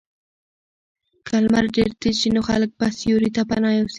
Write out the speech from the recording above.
که لمر ډېر تېز شي نو خلک به سیوري ته پناه یوسي.